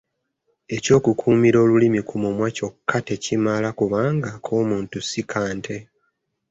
Eky’okukuumira olulimi ku mumwa kyokka tekimala kubanga ak’omuntu si ka nte.